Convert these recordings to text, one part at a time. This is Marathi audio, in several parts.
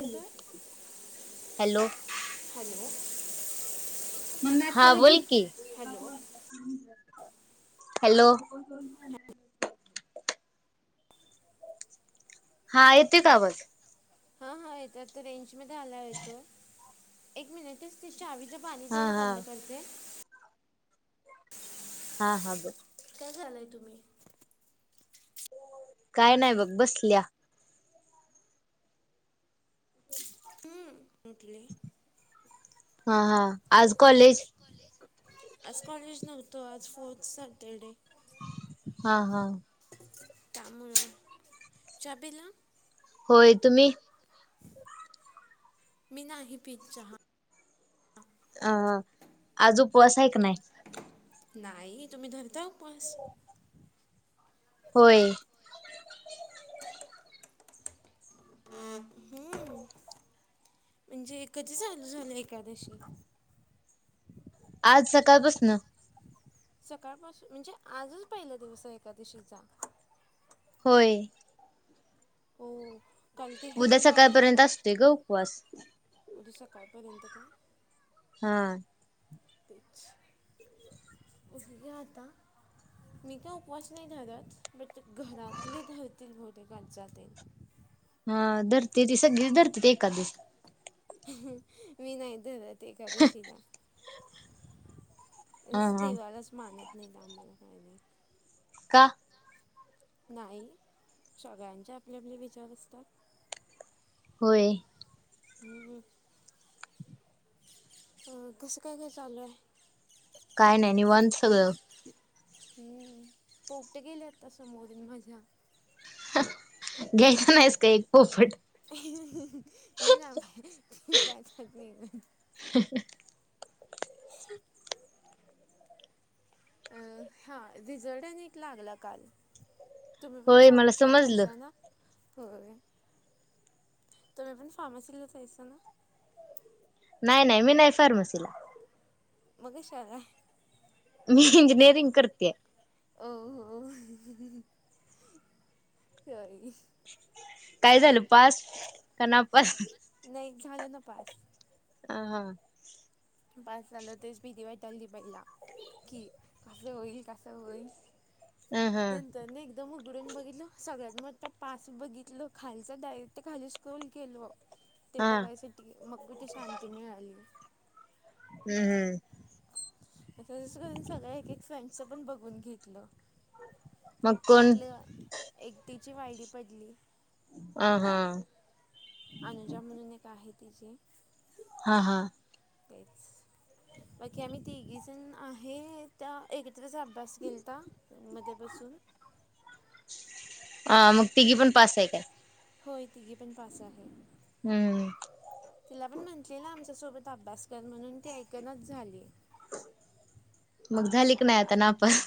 येतोय हॅलो. हॅलो. हा बोल की, हॅलो हॅलो. हा येतोय का आवाज? हां हां येतो, आता रेंज मध्ये आल्याव येतो. एक मिनिटच ते चावीच पाणी हा तेवढ हा बंद करते. हा हा बर. काय करालाय तुम्ही? काय नाही बग बसल्या. हम्म उठले हा हा, आज कॉलेज? आज कॉलेज नव्हत, आज फोर्थ सॅटर्डे. हां हां. त्यामुळ, चहा पिला? होय, तुम्ही? मी नाही पीत चहा. अ आज उपवास हाय क नाय? नाही, तुम्ही धरता उपावास? होय. हम्म. म्हणजे कधी चालू झालं एकादशी? आज सकाळपसन. सकाळपासून म्हणजे आजच पहिला दिवस आहे एकादशीचा? होय. वो. उद्या सकाळ पर्यंत असतोय ग उपवास. उद्या सकाळपर्यंत काय? हां. तेच, उठली आता मी काय उपवास नाही धरत, बट घरातली धरतील बहुतेक आजचा ते. हा धरते ती, सगळीच धरते ती एकादस. मी नाही धरत एकादशीला. इस हा हा देवालाच मानत नाही त्यामुळं काय नाही. का? नाही, सगळ्यांचे आपले आपले विचार असतात. होय. ह अ, कसं काय काय चालू हाय? काय नाही निवांत सगळं. हम्म, पोपट गेले आता समोरून माझ्या. घ्यायच नाहीस का एक पोपट? हं हं लय लांब हाय [unintelligible] [inaudible] अ हा रिझल्ट अन एक लागला काल. तुम्ही पण होय मला फार्म सीला समजलं आहेसां ना? होय तुम्ही पण फार्मसीला हायसा? नाही नाही मी नाही फार्मसीला. मग कशाला आहे? मी इंजिनिअरिंग करतेय हो हो सॉरी. काय झालं पास. का नापास नाही झालं ना पास. हा हा. पास झाल, तेच भीती वाटाल ती पहिला. की कसं होईल, कसं होईल हम हम. तरने एकदम उघडून बघितलं, सगळ्यात मोठा पास बघितलं, खालचं डायरेक्ट खाली स्क्रोल केली. ते हा बघायसाठी, मग कुठे शांती मिळाली. हम् हम्म. मग असं करून सगळ एक एक फ्रेंडच पण बघून घेतलं. मग कोण त्यातलं एकटीची वायडी पडली. अ हा. अनुजा म्हणून एक आहे तिचे. हा हा. तेच, बाकी आम्ही तिघी जण आहे, त्या एकत्रच अ अभ्यास गेलता रूम मध्ये बसून. अ मग तिघी पण पास आहे काय? होय, तिघे पण पास आहे. हम्म. तिला पण म्हटलेलं आमच्यासोबत अभ्यास कर म्हणून ती ऐकनच झाली. मग झाली की नाही आता नापास.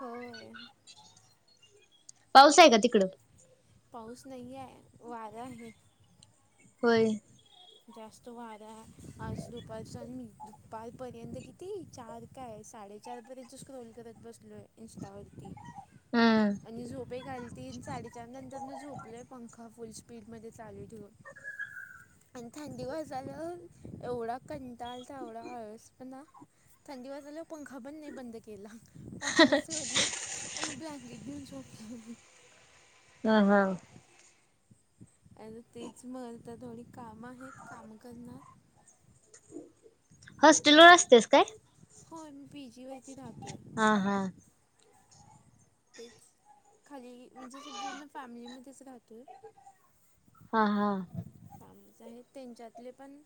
होय. पाऊस आहे का तिकडं? पाऊस नाही आहे, वारा आहे. होय. जास्त वारा आहे, आज दुपार दुपारपर्यंत किती चार का साडे चार पर्यंत स्क्रोल करत बसलोय, इन्स्टवरती. हम्म आणि झोप एक आलती ती साडी त्यानंतरने झोपलं, पंखा फुल स्पीडमध्ये चालू ठेवून. आणि थंडी वाजला एवढा, कंटाल तर एवढा आळस पण. थंडी वाजयला, पंखा बंद नाही बंद केला. पंखा सोडला, आणि ब्लँकेट घेऊन झोपला मी. हा हा. अर तेच मग, तर थोडी काम आहेत काम करणार हॉस्टेल वर असतेस काय? होय मी पी. जी. वरती राहते. हा हा. तेच, खाली म्हणजे ज पूर्ण फॅमिलीमध्येच राहतोय. हा हा. चालूच आहेत, त्यांच्यातले पण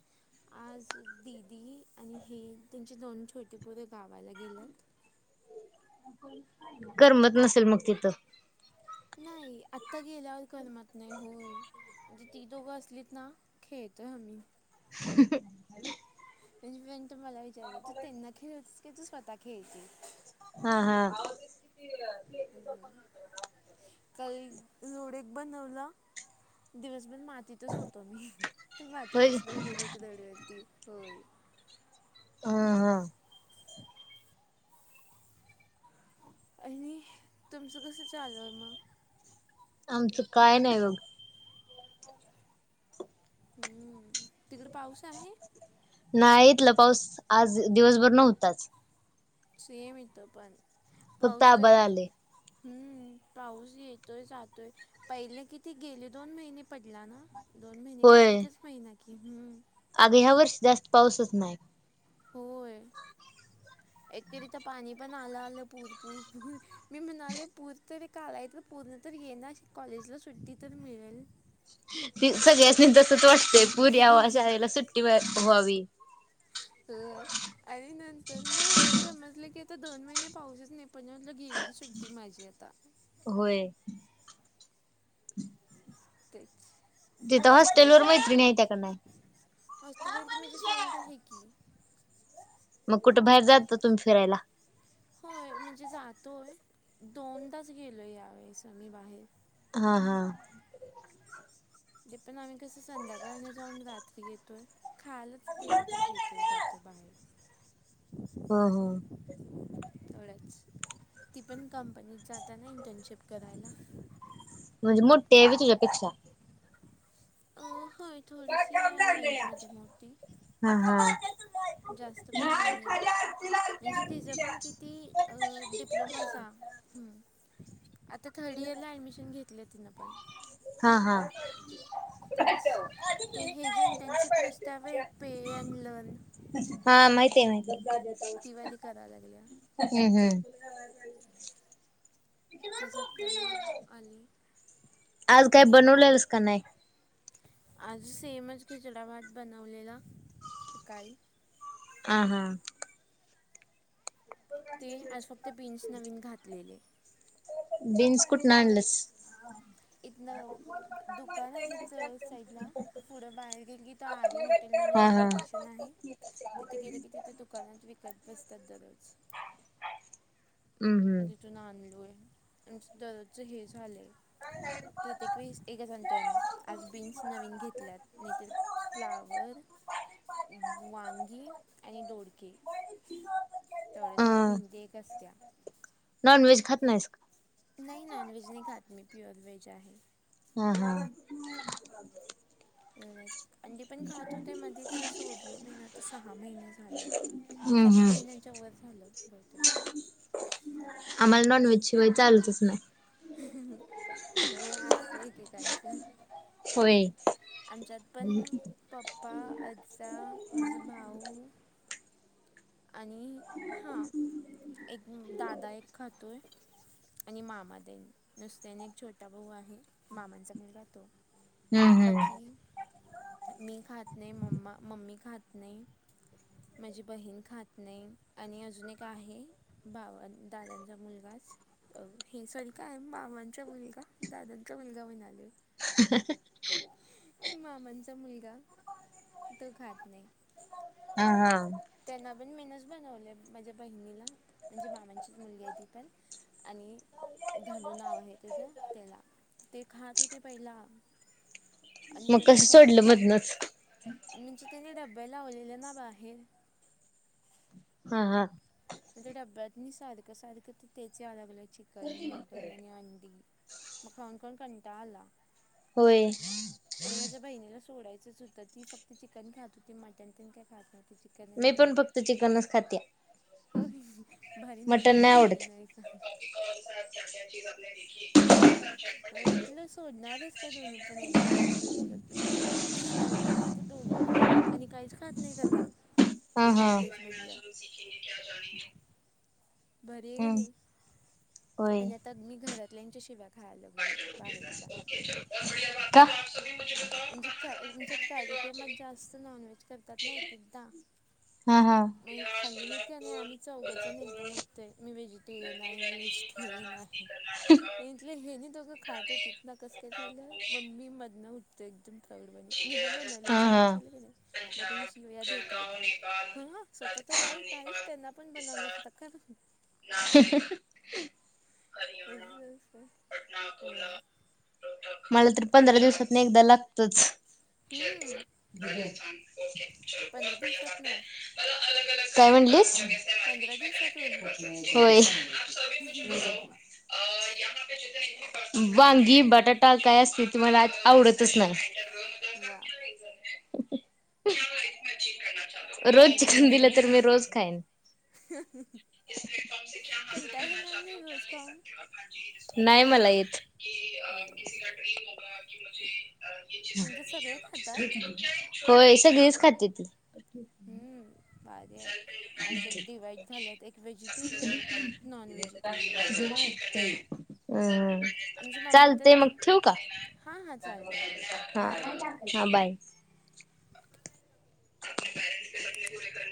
आज दिदी आणि हे त्यांचे छोटी पोर गावाला गेल्यात. करमत नसेल मग तिथं. नाही, आता गेल्यावर करमत नाही होय. म्हणजे ती दोघं असलीत ना खेळतोय आम्ही. [inaudible] म्हणजे फ्रेंड मला विचारत्यात, तू त्यांना खेळवतेस की तू स्वतः खेळतेस? हां हां. [inaudible] कल लोडक बनवलं दिवस बर मातीत तच होतो मी, माती होय पसरवलेली हीत रोडवरती होय. हां हां. आणि तुमचं कसं चालू आहे मग? आमचं काय नाही बघ. हम्म, तिकडे पाऊस आहे? नाही इतलं पाऊस आज दिवसभर नव्हताच. सेम इथं पण, फक्त पाऊस आबाळ तरी आलय हम्म, पाऊस येतोय जातोय पहिले किती गेले दोन महिने पडला ना? दोन महिने काय होय एकच महिना कि, हम्म. अग ह्या वर्षी जास्त पाऊसच नाय. होय, एक तर इथे पाणी पण आलं आलं पूरपूर पूर मी म्हणाले पूर तरी का आलाय पूर्ण तर येणा कॉलेजला सुट्टी तर मिळेल. ती सगळ्यांसनी तसत वाटतय पुर यावा, शाळेला सुट्टी व व्हावी. तर आणि नंतर न समजलं की आता दोन महिने पाऊसच नाही, पण म्हटलं गेली सुट्टी माझी आता. होय. तेच. तिथ आता हॉस्टेलवर मैत्रीणी हायत्या क नाय? हॉस्टेलवरती माझी फ्रेंड आहे की. मग कुठ बाहेर जाता तुम्ही फिरायला? होय म्हणजे जातोय दोनदाच गेलोय यावेेळेस आम्ही बाहेर. हां हां. ते पण आम्ही कस संध्याकाळन जाऊन रात्री येतोय, खायला गेलो तर घेतोय जात तोय बाहेर. हं हं. तेवढंच, ती पण कंपनीत जात्या नाही इंटर्नशिप करायला. म्हणजे मोठी हाय व्हय तुझ्या पेक्षा? अ होय थोडीशी आहे एज मध्ये मोठी. हा हा. जास्त पण नाही हाय, म्हणजे तिज पण किती डिप्लोमाचा आता थर्ड इयरला ॲडमिशन घेतलं तिनं पण. हा हा. [inaudible] हा तेच ते हे जे इंटर्नशिप नसता वे पे अँड लर्न माहिती ये माहतीये. ती वाली करायला लागल्या हम्म हम्म. त्याच्यात तमा आली. आज काय आणि बनवलेलस का नाय. आज सेमच खिचडाभात बनवलेला सकाळी. हा हा. ते आज फक्त बीन्स नवीन घातलेले. बीन्स कुठनं आणलस. इथनं दुकान आहेत साईडला. पुढं बाहेर गेली तर आर्य हॉटेल म्हणून एक लोकेशन आहे अच्छा. तिथे गेले की तिथे दुकानात विकत बसतात दररोज. हम् हम्म. इथून आणलोय आमंच दरोजच हे झालंय. प्रत्येक वेळीस एकच आणतोय आम्ही. आज बीन्स नवीन घेतल्यात नाहीततर फ्लावर. वांगी आणि दोडके. तेवढ्या अ च्यांनी भिंडी एक असत्या. नॉन वेज खात नाहीस का. नाही नॉनव्हेज नाही खात मी प्युअर व्हेज आहे. हा हा. तेवढच. अंडी पण खात होते मध्ये खरं सोडलो मी नाता सहा. महिने झालं हम्म सहा हम्म महिन्यां च्या वर झालं बहुतेक. आम्हाला नॉनव्हेज शिवाय चालतच नाही. हो असत एकेकांचं. तसं होय. आमच्यात पण पप्पा आजा माझा भाऊ. आणि हा एक दादा एक खातो य. आणि मामा ते नुसत्याने एक छोटा भाऊ आहे आणि मामांचा जवळ राहतो. हम्म हम्म बाकी. मी खात नाही म्मा मम्मी खात माझी बहीण. खात नाही आणि अजून एक आहे भाव दादांचा मुलगाच अ हे सरी काय मामांचा मुलगा दादांचा मुलगा म्हणालो [unintelligible] मामांचा मुलगा तो खात नाही. ह हा. त्यांना पण मी नच बनवले माझ्या बहिणीला म्हणजे मामांची मुलगी आहे ती पण. आणि. धनू नाव आहे त्याचं त्याला ते खात होते पहिला् मग कसं सोडलं मधन च. म्हणजे त्यांने डब्ब्या ओलेले ना बाहेर. हा हा. म्हणजे डब्यातनी सारखं सारखं तर त्यांचे यालाग चिकन मटन. आणि अंडी मग खाऊन खाऊन कंटाळा आला. होय. आणि माझ्या बहिणीला सोडायचंच होतं ती फक्त चिकन खात होती मटण ते काय खात नव्हती. चिकन मी आणि पण अंडी फक्त चिकनच खाते. हो भारी ना मटन नाही आवडत [unintelligible] [unintelligible] मग म्हटलं सोडणारच काय दोन्ही पण एकदम, मी मदत करतो म्हण [unintelligible] सोडलीत दोघं पण, आणि काहीच खात नाहीत आता. हा हा. नॉनव्हेजमधलं भारी आहे का हम्म नाही, होय. आणि आता मी घरातल्यांच्या शिवा्या खायलो- हम बाहेरच्या. [unintelligible] का? म्हणजे का, आमच्यात कार्यक्रमात क्रमात जास्त नॉन व्हेज करतात ना एक एकदा हा हा. मग हे खाल्ली की आम्ही चौगचण एकदम उठतोय मी व्हेजट टेरियन आहे मी व्हेजिटेरियन आहे, इथले हेनी दोघं खात होतीत. न कस काय झालं मम्मी मधन ते एकदम प्राऊड बणेल, मी ना बनवले हा चांगले हा की नाही मग त्यांनी शिव्या देतात स्वतः तररी आईक, काहीच त्यांना पण बनवल्या होता खर. [unintelligible] बिझनेस होय, ए आय. मला तर पंधरा दिवसात एकदा लागोतच हम्म पंधरा दिवसात ना [unintelligible] काय म्हटलीस? पंधरा दिवसातून होय, भारी वांगी, आहे बटाटा. काय असते ते, मला आवडतच नाय. वा. [unintelligible] रोज भारी चिकन दिलं आहेसा तर मी रोज खाईन. [unintelligible] कंटाळ येणार नाही रोज खाऊन? नाही मला येत. हम. [unintelligible] तुमच्यात सगळे खातात [unintelligible] होय सगळीच खाते ती. हम्म भारी हाय. आमच्यात डिवायड झाल्यात, एक व्हेजिटेरियन, एक नॉन व्हेजिटेरियन. हम्म चालतय मग ठिऊ का? हा हा चालते. हा बाय हा बाय. [inaudible]